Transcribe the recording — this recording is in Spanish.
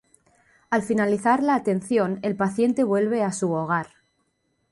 Al finalizar la atención el paciente vuelve a su hogar.